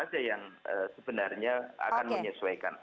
saja yang sebenarnya akan menyesuaikan